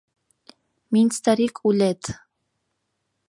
— Минь старик улет...